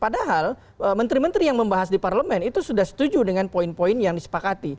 padahal menteri menteri yang membahas di parlemen itu sudah setuju dengan poin poin yang disepakati